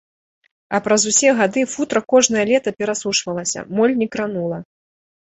А праз усе гады футра кожнае лета перасушвалася, моль не кранула.